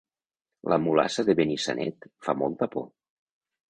La mulassa de Benissanet fa molta por